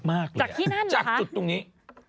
จากที่นั่นหรือคะจากจุดตรงนี้